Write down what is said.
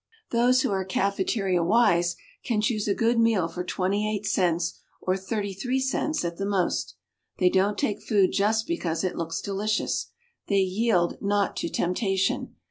Those who are cafeteria wise can choose a good meal for 28 cents or 33 cents at the most. They don't take food just because it looks delicious. They "yield not to temptation."